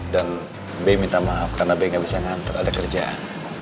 dan be minta maaf karena be gak bisa ngantar ada kerjaan